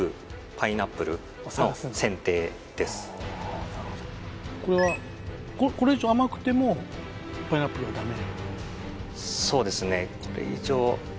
ああなるほどこれはこれ以上甘くてもパイナップルはダメ？